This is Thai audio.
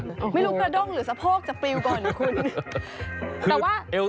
ไม่รู้กระด้งหรือสะโพกจะปริวก่อนหรือคุณ